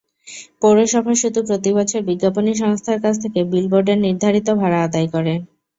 পৌরসভা শুধু প্রতিবছর বিজ্ঞাপনী সংস্থার কাছ থেকে বিলবোর্ডের নির্ধারিত ভাড়া আদায় করে।